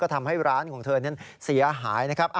ทำให้ร้านของเธอนั้นเสียหายนะครับ